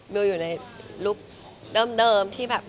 มึงอยู่ในลุคเดิมที่เห็นกัน